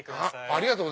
ありがとう！